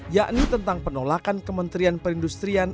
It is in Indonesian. yakni tentang penolakan kementerian perindustrian